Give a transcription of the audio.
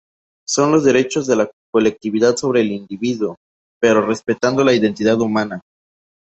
Son los derechos de la colectividad sobre el individuo, pero respetando la identidad humana.